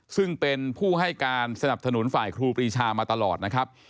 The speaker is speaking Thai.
ซึ่งเป็นผู้ให้การสนับสนุนฝ่ายครูปรีชามาตลอดนะครับ